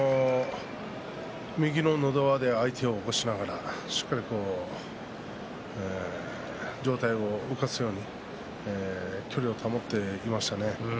右ののど輪で相手を起こしながら、しっかり上体を浮かすように距離を保っていましたね。